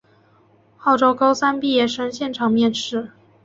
号召高三毕业生现场面试